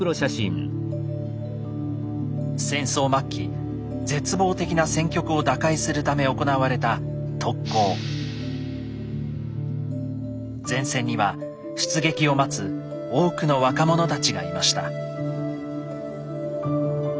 戦争末期絶望的な戦局を打開するため行われた前線には出撃を待つ多くの若者たちがいました。